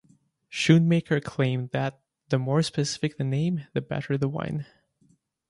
Schoonmaker claimed that "the more specific the name, the better the wine".